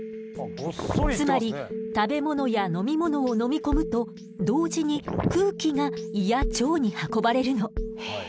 つまり食べ物や飲み物を飲み込むと同時に空気が胃や腸に運ばれるの。